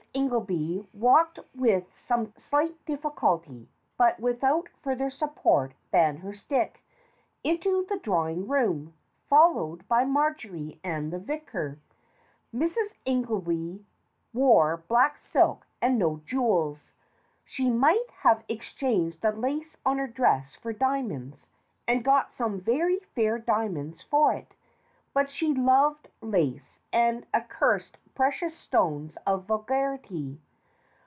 Ingelby walked with some slight difficulty, but without further support than her stick, into the draw ing room, followed by Marjory and the vicar. Mrs. Ingelby wore black silk and no jewels. She might THE CHEAT 203 have exchanged the lace on her dress for diamonds, and got some very fair diamonds for it, but she loved lace, and accused precious stones of vulgarity.